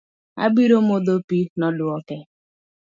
Abiro modho pii, nodwoke